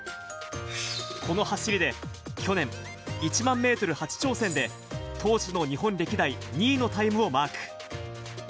この走りで去年、１万メートル初挑戦で当時の日本歴代２位のタイムをマーク。